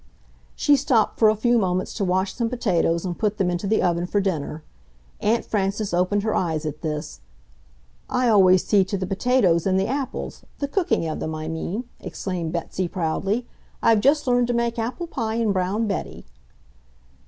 She stopped for a few moments to wash some potatoes and put them into the oven for dinner. Aunt Frances opened her eyes at this. "I always see to the potatoes and the apples, the cooking of them, I mean," explained Betsy proudly. "I've just learned to make apple pie and brown betty."